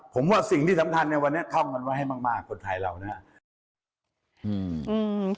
ผมว่าสิ่งที่สำคัญในวันนี้เข้ากันไว้ให้มากมากคนไทยเรานะครับ